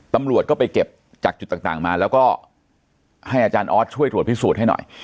ตำรวจก็ไปเก็บจากจุดต่างมาแล้วก็ให้อาจารย์ออสช่วยตรวจพิสูจน์ให้หน่อย